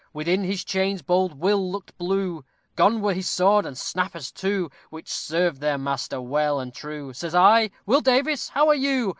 _ Within his chains bold Will looked blue, Gone were his sword and snappers too, Which served their master well and true; Says I, "Will Davies, how are you?